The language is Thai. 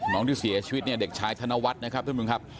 ที่เสียชีวิตเนี่ยเด็กชายธนวัฒน์นะครับท่านผู้ชมครับ